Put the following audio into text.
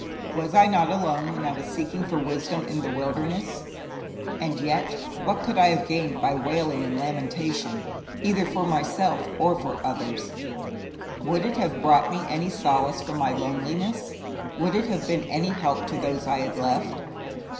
Was I not alone when I was seeking for wisdom in the wilderness? And yet what could I have gained by wailing and lamentation either for myself or for others? Would it have brought to me any solace from my loneliness? Would it have been any help to those I had left?'